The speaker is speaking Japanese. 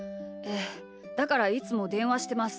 でだからいつもでんわしてます。